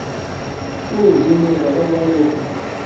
Werǧin i d-yeḍra waya uqbel.